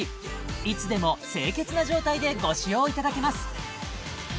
いつでも清潔な状態でご使用いただけます